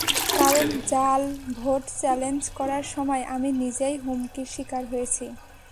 কারণ জাল vote challenge করার সময় আমি নিজেই হুমকির শিকার হয়েছি।